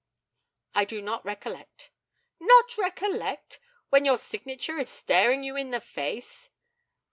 I do not recollect. Not recollect! when your signature is staring you in the face?